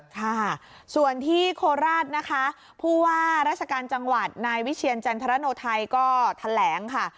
ค่ะส่วนที่โคราชนะคะผู้ว่าราชการจังหวัดนายวิเชียรจันทรโนไทยก็แถลงค่ะ